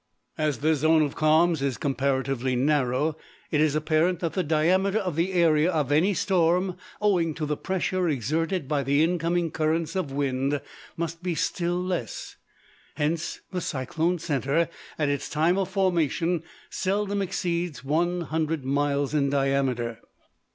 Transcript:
As the zone of calms is comparatively narrow, it is apparent that the diameter of the area of any storm, owing to the pressure exerted by the incoming currents of wind, must be still less. Hence, the cyclone center, at its time of formation, seldom exceeds one hundred miles in diameter.